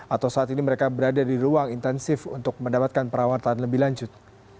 atau saat ini mereka berada di ruang intensif untuk mendapatkan perawatan lebih lanjut